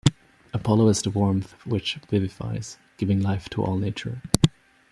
Apollo is the warmth which vivifies, giving life to all Nature.